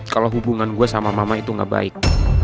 kalau hubungan gue sama mama itu gak baik